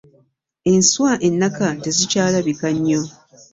Enswa ennaka tezikyalabika nnyo.